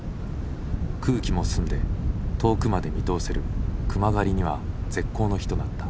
空気も澄んで遠くまで見通せる熊狩りには絶好の日となった。